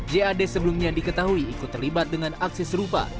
jad sebelumnya diketahui ikut terlibat dengan aksi serupa